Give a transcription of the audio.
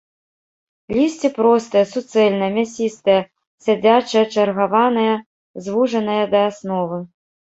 Лісце простае, суцэльнае, мясістае, сядзячае, чаргаванае, звужанае да асновы.